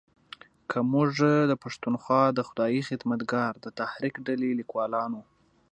که موږ د پښتونخوا د خدایي خدمتګار د تحریک ډلې لیکوالانو